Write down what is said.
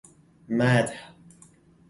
مدح